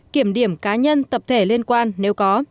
kiểm điểm cá nhân tập thể liên quan nếu có